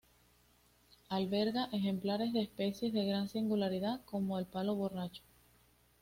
Alberga ejemplares de especies de gran singularidad, como el "palo borracho".